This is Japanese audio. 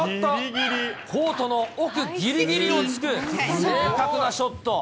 コートの奥ぎりぎりを突く正確なショット。